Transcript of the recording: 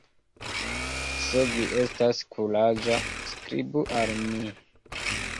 Se vi estas kuraĝa, skribu al mi!